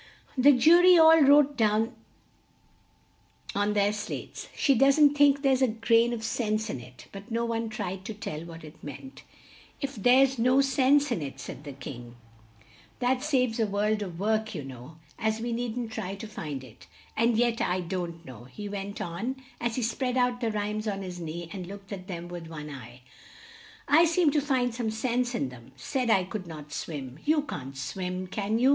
The ju ry all wrote down on their slates, "She doesn't think there's a grain of sense in it." But no one tried to tell what it meant. "If there's no sense in it," said the King, "that saves a world of work, you know, as we needn't try to find it. And yet I don't know," he went on, as he spread out the rhymes on his knee, and looked at them with one eye: "I seem to find some sense in them 'said I could not swim' you can't swim, can you?"